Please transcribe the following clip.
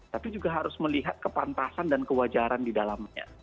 tapi juga harus melihat kepantasan dan kewajaran didalamnya